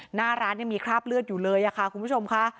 หน้าร้านยังมีคราบเลือดอยู่เลยค่ะคุณผู้ชมค่ะ